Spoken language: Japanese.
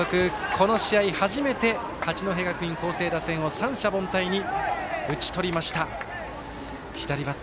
この試合、初めて八戸学院光星打線を三者凡退に打ち取りました。